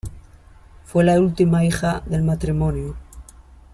Fue la última hija del matrimonio.